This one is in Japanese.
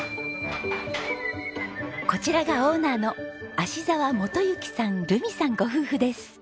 こちらがオーナーの芦沢素征さんルミさんご夫婦です。